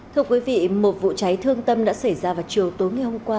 thưa quý vị một vụ cháy thương tâm đã xảy ra vào chiều tối ngày hôm qua